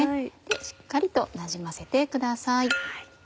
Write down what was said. しっかりとなじませてください。